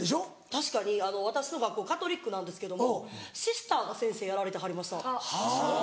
確かに私の学校カトリックなんですけどもシスターが先生やられてはりました。